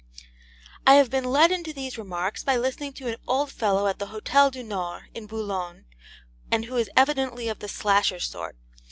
I have been led into these remarks by listening to an old fellow at the Hotel du Nord, at Boulogne, and who is evidently of the Slasher sort.